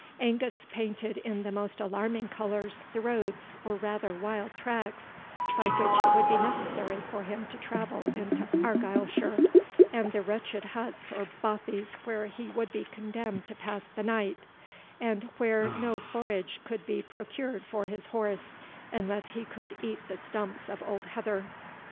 Angus painted in the most alarming colours the roads, or rather wild tracks, by which it would be necessary for him to travel into Argyleshire, and the wretched huts or bothies where he would be condemned to pass the night, and where no forage could be procured for his horse, unless he could eat the stumps of old heather.